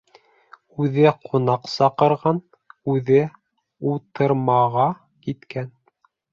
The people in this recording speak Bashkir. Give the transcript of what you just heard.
Үҙе ҡунаҡ саҡырған, үҙе утырмаға киткән.